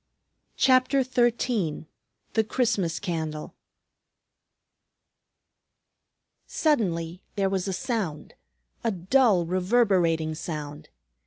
CHAPTER XIII THE CHRISTMAS CANDLE Suddenly there was a sound, a dull reverberating sound.